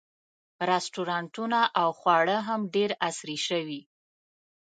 رسټورانټونه او خواړه هم ډېر عصري شوي.